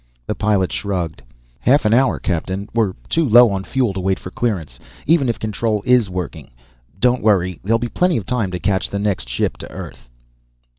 The pilot shrugged. "Half an hour, captain. We're too low on fuel to wait for clearance, even if control is working. Don't worry. There'll be plenty of time to catch the next ship to Earth."